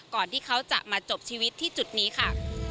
ก่อนที่เขาจะมาจบชีวิตที่จุดนี้ค่ะ